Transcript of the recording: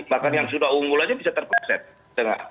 bahkan yang sudah unggul aja bisa terproses